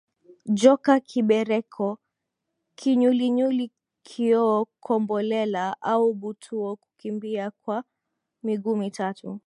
Joka Kibereko Kinyulinyuli Kioo Kombolela au butuo Kukimbia kwa miguu mitatu